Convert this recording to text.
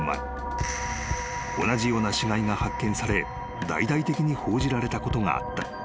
［同じような死骸が発見され大々的に報じられたことがあった］